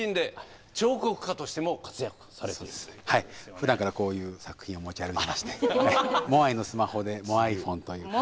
ふだんからこういう作品を持ち歩いてましてモアイのスマホでモアイフォンという。